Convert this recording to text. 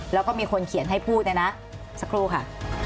แล้วก็มีคนเขียนให้พูดเนี่ยนะสักครู่ค่ะ